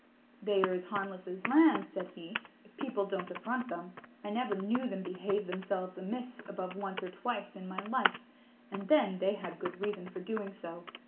"They are as harmless as lambs," said he, "if people don't affront them. I never knew them behave themselves amiss above once or twice in my life, and then they had good reason for doing so.